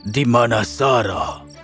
di mana sarah